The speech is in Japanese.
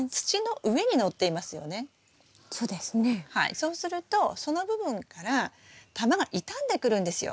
そうするとその部分から玉が傷んでくるんですよ。